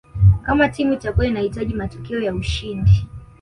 Kama timu itakua inahitaji matokeo ya ushindi